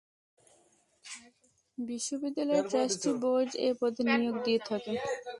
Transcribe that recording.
বিশ্ববিদ্যালয়ের trustee board এ পদে নিয়োগ দিয়ে থাকে।